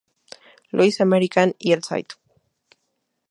Louis American", y el "St.